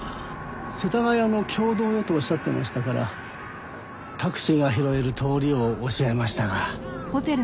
世田谷の経堂へとおっしゃってましたからタクシーが拾える通りを教えましたが。